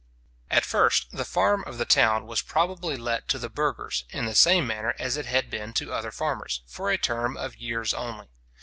At first, the farm of the town was probably let to the burghers, in the same manner as it had been to other farmers, for a term of years only.